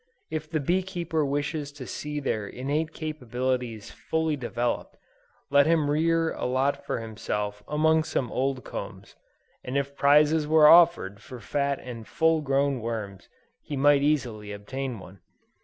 If the bee keeper wishes to see their innate capabilities fully developed, let him rear a lot for himself among some old combs, and if prizes were offered for fat and full grown worms, he might easily obtain one.